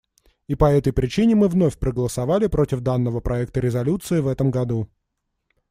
И по этой причине мы вновь проголосовали против данного проекта резолюции в этом году.